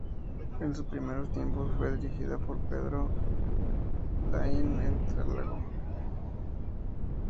En sus primeros tiempos, fue dirigida por Pedro Laín Entralgo.